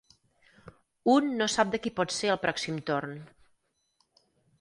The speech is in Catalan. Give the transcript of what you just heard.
Un no sap de qui pot ser el pròxim torn.